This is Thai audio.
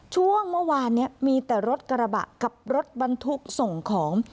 ช่วงเมื่อวานนี้มีแต่รถกระบะกับรถบรรทุกส่งของ